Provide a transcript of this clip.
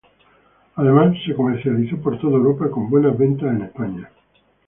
Además se comercializó por toda Europa, con buenas ventas en España.